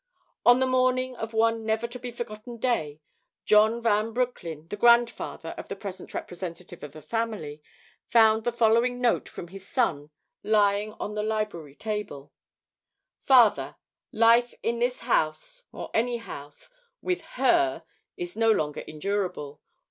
On the morning of one never to be forgotten day, John Van Broecklyn, the grandfather of the present representative of the family, found the following note from his son lying on the library table: "FATHER: "Life in this house, or any house, with her is no longer endurable.